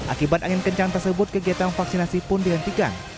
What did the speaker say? akibat angin kencang tersebut kegiatan vaksinasi pun dihentikan